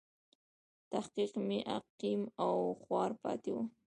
تحقیق مې عقیم او خوار پاتې و.